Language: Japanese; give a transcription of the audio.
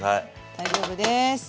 大丈夫です。